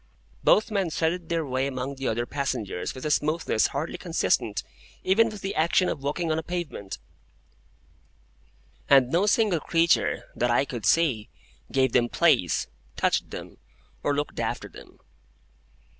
Both men threaded their way among the other passengers with a smoothness hardly consistent even with the action of walking on a pavement; and no single creature, that I could see, gave them place, touched them, or looked after them.